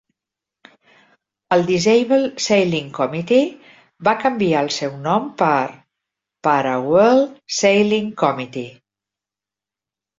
El Disabled Sailing Committee va canviar el seu nom per Para World Sailing Committee.